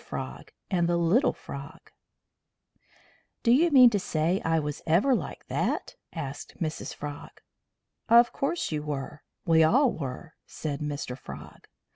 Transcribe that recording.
FROG, AND THE LITTLE FROG "Do you mean to say I was ever like that?" asked Mrs. Frog. "Of course you were. We all were," said Mr. Frog.